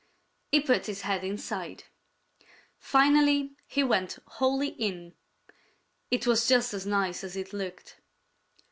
He put his head inside. Finally he went wholly in. It was just as nice as it looked.